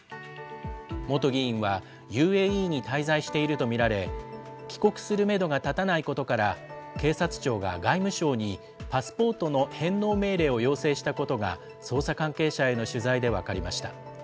元議員はＵＡＥに滞在していると見られ、帰国するメドが立たないことから、警察庁が外務省にパスポートの返納命令を要請したことが捜査関係者への取材で分かりました。